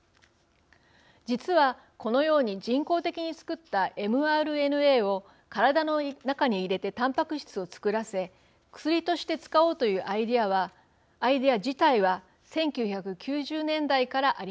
実はこのように人工的に作ったｍＲＮＡを体の中に入れてたんぱく質を作らせ薬として使おうというアイデア自体は１９９０年代からありました。